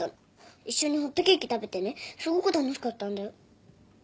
一緒にホットケーキ食べてねすごく楽しかったんだよ。